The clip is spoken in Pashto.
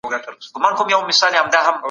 لومړی عبادت کوم او بيا مطالعه کوم.